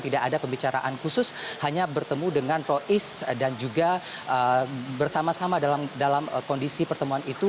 tidak ada pembicaraan khusus hanya bertemu dengan rois dan juga bersama sama dalam kondisi pertemuan itu